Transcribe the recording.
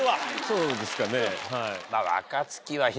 そうですかね。